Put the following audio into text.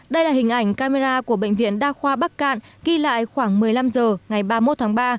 đây là hình ảnh camera của bệnh viện đa khoa bắc cạn ghi lại khoảng một mươi năm h ngày ba mươi một tháng ba